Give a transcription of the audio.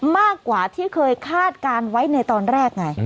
มากกว่าที่เคยคาดการณ์ไว้ในตอนแรกไง